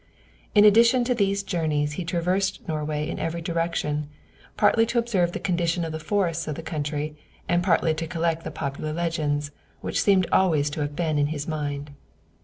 In addition to these journeys he had traversed Norway in every direction, partly to observe the condition of the forests of the country, and partly to collect the popular legends, which seem always to have been in his mind.